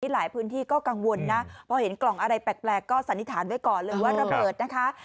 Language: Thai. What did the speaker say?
หลายพื้นที่ก็กังวลนะพอเห็นกล่องอะไรแปลกก็สันนิษฐานไว้ก่อนเลยว่าระเบิดนะคะ